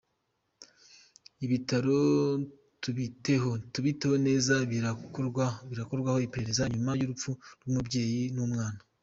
Ibitaro tubiteho neza birakorwaho iperereza nyuma y’urupfu rw’umubyeyi n’umwana